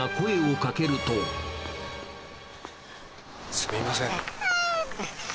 すみません。